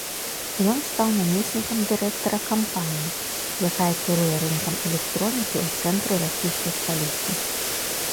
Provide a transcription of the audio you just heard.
Ён стаў намеснікам дырэктара кампаніі, якая кіруе рынкам электронікі ў цэнтры расійскай сталіцы.